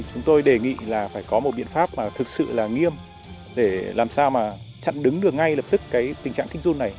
chúng tôi đề nghị là phải có một biện pháp mà thực sự là nghiêm để làm sao mà chặn đứng được ngay lập tức cái tình trạng kích run này